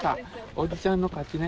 おじちゃんの勝ちね。